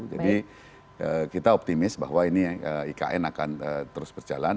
jadi kita optimis bahwa ini ikn akan terus berjalan